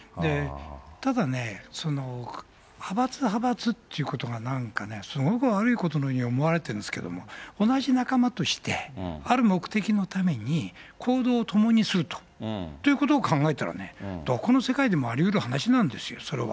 ただね、派閥、派閥っていうことがなんかね、すごく悪いことのように思われてるんですけど、同じ仲間として、ある目的のために、行動を共にするということを考えたらね、どこの世界でもありうる話なんですよ、それは。